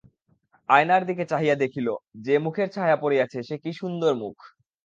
আয়নার দিকে চাহিয়া দেখিল, যে মুখের ছায়া পড়িয়াছে সে কী সুন্দর মুখ!